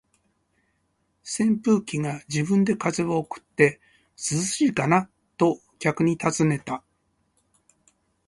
扇風機が自分で風を送って、「涼しいかな？」と客に尋ねた。